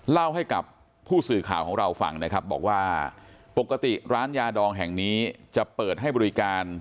เล่าให้กับผู้สื่อข่าวของเราฟังนะครับบอกว่าปกติร้านยาดองแห่งนี้จะเปิดให้บริการ